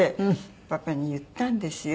パパに言ったんですよ。